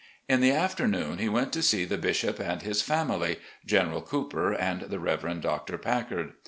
In the afternoon he went to see the bishop and his family — General Cooper and the Reverend Dr. Packard.